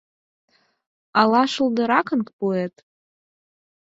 Ала шулдыракын пуэт?